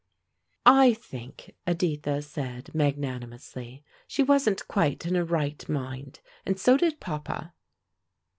"I think," Editha said, magnanimously, "she wasn't quite in her right mind; and so did papa."